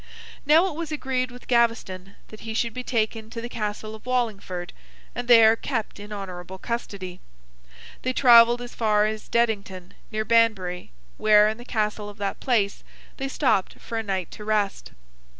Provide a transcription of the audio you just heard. Now, it was agreed with Gaveston that he should be taken to the Castle of Wallingford, and there kept in honourable custody. They travelled as far as Dedington, near Banbury, where, in the Castle of that place, they stopped for a night to rest.